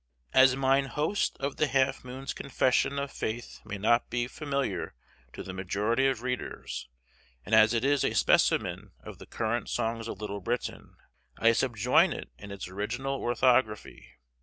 As mine host of the Half Moon's Confession of Faith may not be familiar to the majority of readers, and as it is a specimen of the current songs of Little Britain, I subjoin it in its original orthography.